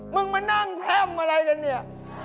มึงมานั่งแท่มอะไรกันเนี่ย